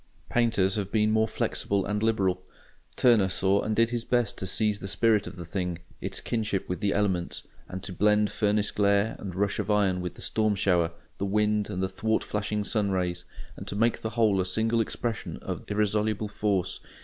Painters have been more flexible and liberal. Turner saw and did his best to seize the spirit of the thing, its kinship with the elements, and to blend furnace glare and rush of iron with the storm shower, the wind and the thwart flashing sun rays, and to make the whole a single expression of irresoluble force.